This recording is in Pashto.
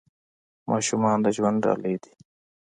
ماشومان د ژوند ډالۍ دي .